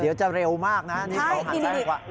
เดี๋ยวจะเร็วมากนะนี่เขาหันซ้ายกว่า